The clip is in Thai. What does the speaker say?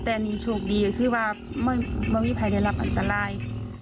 แต่นี่โชคดีก็คือว่าไม่มีใครได้รับอันตราย